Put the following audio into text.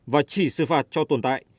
và chỉ xử phạt cho tồn tại